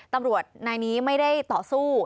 ตำรวจนายนี้ไม่ได้ต่อสู้